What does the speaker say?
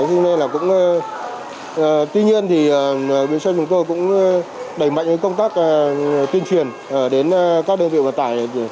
tuy nhiên bộ tài cũng đẩy mạnh công tác tuyên truyền đến các đơn vị vận tài